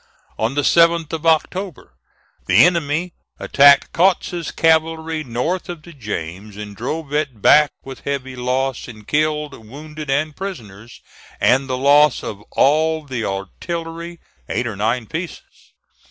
On the 7th of October, the enemy attacked Kautz's cavalry north of the James, and drove it back with heavy loss in killed, wounded, and prisoners, and the loss of all the artillery eight or nine pieces.